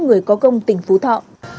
người có công tỉnh phú thọ